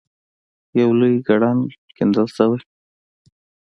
یو لوی کړنګ کیندل شوی.